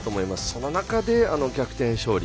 その中で、あの逆転勝利。